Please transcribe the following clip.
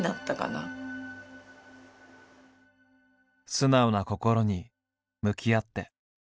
素直な心に向き合って。